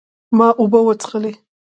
ما اوبه وڅښلې